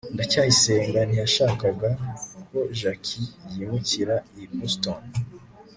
ndacyayisenga ntiyashakaga ko jaki yimukira i boston